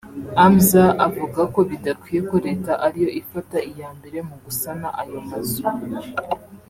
Hamza avuga ko bidakwiye ko leta ariyo ifata iya mbere mu gusana ayo mazu